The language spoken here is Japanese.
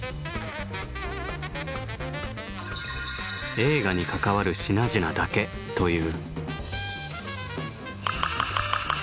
映画に関わる品々だけという。